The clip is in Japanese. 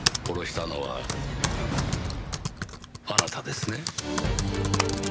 殺したのはあなたですね？